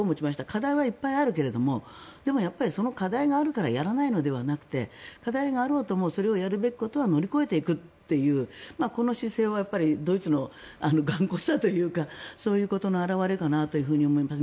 課題はいっぱいあるけれどもでも、その課題があるからやらないのではなくて課題があろうともやるべきことは乗り越えていくというこの姿勢はドイツの頑固さというかそういうことの表れかなと思います。